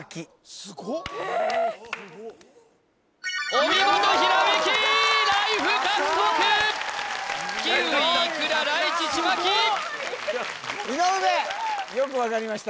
お見事ひらめきライフ獲得きういいくららいちちまき井上よくわかりました